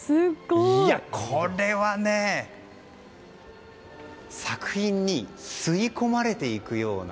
これはね作品に吸い込まれていくような。